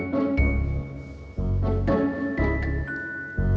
bisa dapat tinggal